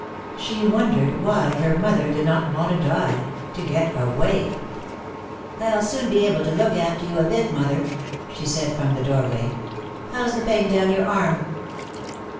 She wondered why her mother did not want to die, to get away. "I'll soon be able to look after you a bit, mother," she said from the doorway. "How's the pain down your arm?"